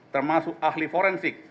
termasuk ahli forensik